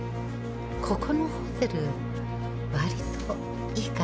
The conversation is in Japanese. ここのホテル割といい感じでしょ？